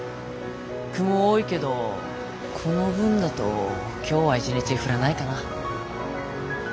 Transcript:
雲多いけどこの分だと今日は一日降らないかな。